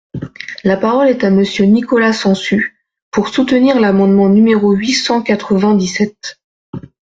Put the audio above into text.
La parole est à Monsieur Nicolas Sansu, pour soutenir l’amendement numéro huit cent quatre-vingt-dix-sept.